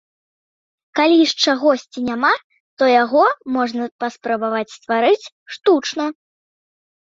Калі ж чагосьці няма, то яго можна паспрабаваць стварыць штучна.